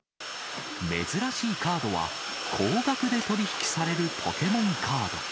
珍しいカードは、高額で取り引きされるポケモンカード。